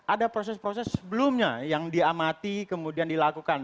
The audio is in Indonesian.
ada proses proses sebelumnya yang diamati kemudian dilakukan